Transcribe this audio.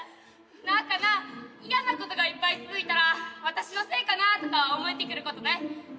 何かな嫌なことがいっぱい続いたら私のせいかなとか思えてくることない？え？